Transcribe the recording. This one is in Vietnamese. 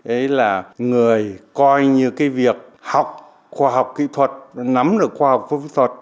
đấy là người coi như cái việc học khoa học kỹ thuật nắm được khoa học kỹ thuật